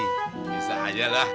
bisa aja lah